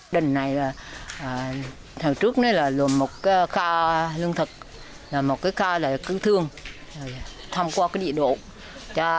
đình này là hồi trước là một cao lương thực là một cao cứu thương thăm qua địa độ